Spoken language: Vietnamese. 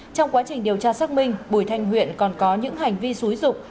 trong quá trình điều tra xác minh bùi thanh huyện còn có những hành vi xúi dục